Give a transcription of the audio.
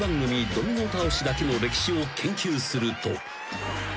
ドミノ倒しだけの歴史を研究すると］